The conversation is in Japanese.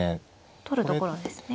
取るところですね。